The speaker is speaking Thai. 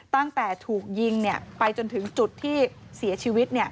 ตั้งแต่ถูกยิงไปจนถึงจุดที่เสียชีวิต